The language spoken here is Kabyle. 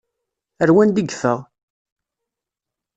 Ar wanda i yeffeɣ?